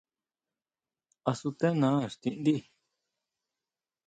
¿Á sutendá íxtiʼndí?